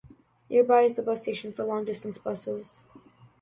Nearby is the bus station for long-distance buses.